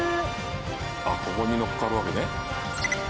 ここにのっかるわけね。